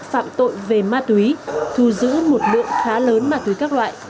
bắt hai trăm sáu mươi tám đối tượng phạm tội về ma túy thu giữ một lượng khá lớn ma túy các loại